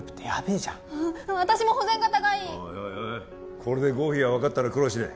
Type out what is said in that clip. おいこれで合否が分かったら苦労しねえ